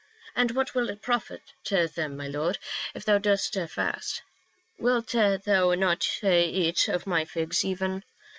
" And what will it profit them, my lord, if thou dost fast? Wilt thou not eat of my figs even?"